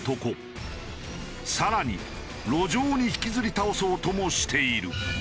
更に路上に引きずり倒そうともしている。